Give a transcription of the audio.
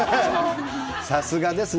さすがですね。